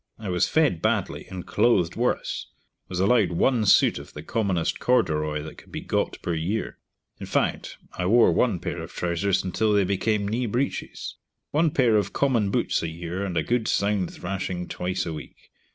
I was fed badly, and clothed worse; was allowed one suit of the commonest corderoy that could be got per year. In fact I wore one pair of trousers until they became kneebreeches. One pair of common boots a year, and a good sound thrashing twice a week.